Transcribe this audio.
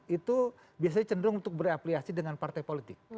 itu biasanya cenderung untuk berapliasi dengan partai politik